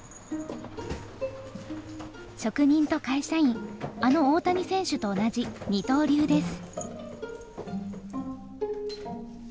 職人と会社員あの大谷選手と同じ二刀流です。